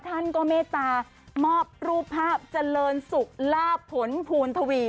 ท่านก็เมตตามอบรูปภาพเจริญสุขลาบผลภูณทวี